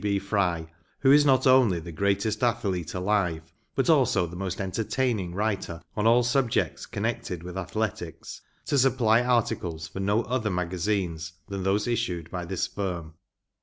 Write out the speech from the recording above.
B. Fry, who is not only the greatest athlete alive, but also the most entertaining writer on all subjects connected with athletics, to supply articles for no other magazines than those issued by this firm.